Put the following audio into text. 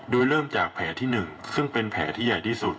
โดยเริ่มจากแผลที่๑ซึ่งเป็นแผลที่ใหญ่ที่สุด